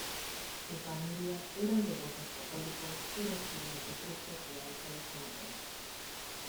Su familia eran devotos católicos y recibió una estricta crianza de su madre.